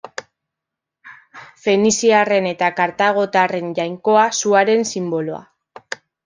Feniziarren eta kartagotarren jainkoa, suaren sinboloa.